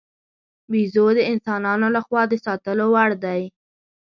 بیزو د انسانانو له خوا د ساتلو وړ دی.